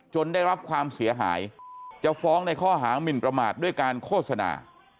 ได้รับความเสียหายจะฟ้องในข้อหามินประมาทด้วยการโฆษณา